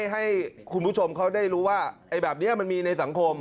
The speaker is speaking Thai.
ให้คุณผู้ชมเขาได้รู้ว่าแบบนี้มันมีในสังคม